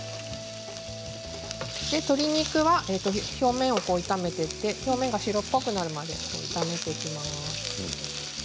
鶏肉は表面を炒めていって表面が白っぽくなるまで炒めていきます。